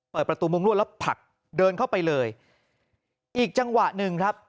เปิดประตูมุงรวดแล้วผลักเดินเข้าไปเลยอีกจังหวะหนึ่งครับ